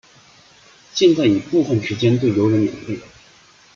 现在已部分时间对游人免费。